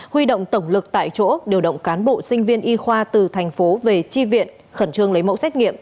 huy động tổng lực tại chỗ điều động cán bộ sinh viên y khoa từ thành phố về tri viện khẩn trương lấy mẫu xét nghiệm